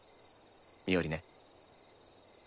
ミオリネ。